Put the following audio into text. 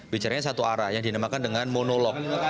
bicaranya satu arah yang dinamakan dengan monolog